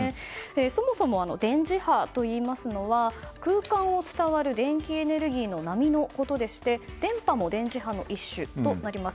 そもそも電磁波といいますのは空間を伝わる電気エネルギーの波のことでして電波も電磁波の一種となります。